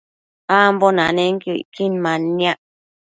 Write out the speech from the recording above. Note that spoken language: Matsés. ambo nanenquio icquin manniac